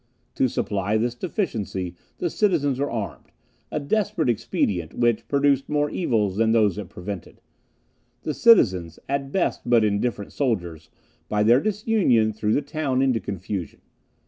To supply this deficiency, the citizens were armed a desperate expedient, which produced more evils than those it prevented. The citizens, at best but indifferent soldiers, by their disunion threw the town into confusion.